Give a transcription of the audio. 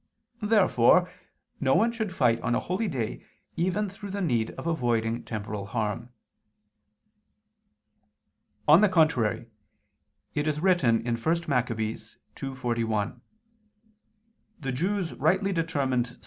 Therefore no one should fight on a holy day even through the need of avoiding temporal harm. On the contrary, It is written (1 Mac. 2:41): The Jews rightly determined